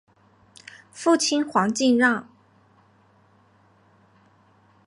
父亲黄敬让。